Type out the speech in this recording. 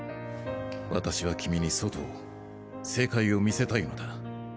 私は君に外を世界を見せたいのだ。